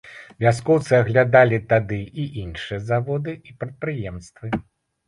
Вяскоўцы аглядалі тады і іншыя заводы і прадпрыемствы.